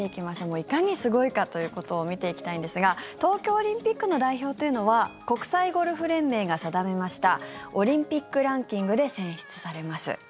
いかにすごいかということを見ていきたいんですが東京オリンピックの代表というのは国際ゴルフ連盟が定めましたオリンピックランキングで選出されます。